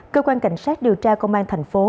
cơ quan cảnh sát điều tra công an thành phố